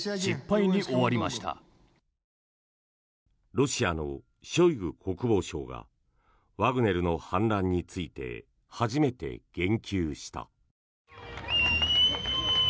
ロシアのショイグ国防相がワグネルの反乱について初めて言及した。